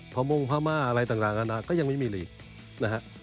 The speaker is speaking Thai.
พระมงพม่าอะไรต่างก็ยังไม่มีลีกนะครับ